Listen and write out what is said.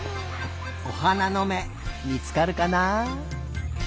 おはなのめみつかるかな？